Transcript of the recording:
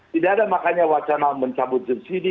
tidak ada makanya wacana mencabut subsidi